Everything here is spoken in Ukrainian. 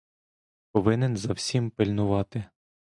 Повинен за всім пильнувати!